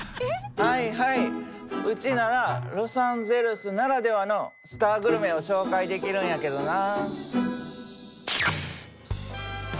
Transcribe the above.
はいはいうちならロサンゼルスならではのスターグルメを紹介できるんやけどな。